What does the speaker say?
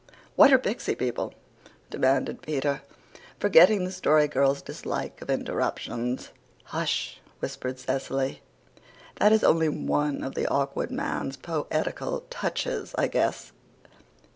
"What are pixy people?" demanded Peter, forgetting the Story Girl's dislike of interruptions. "Hush," whispered Cecily. "That is only one of the Awkward Man's poetical touches, I guess."